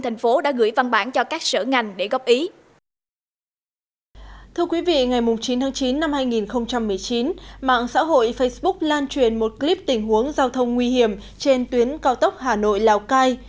thưa quý vị ngày chín tháng chín năm hai nghìn một mươi chín mạng xã hội facebook lan truyền một clip tình huống giao thông nguy hiểm trên tuyến cao tốc hà nội lào cai